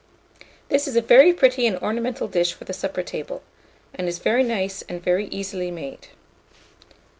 This is a very pretty and ornamental dish for the supper table, and is very nice and very easily made.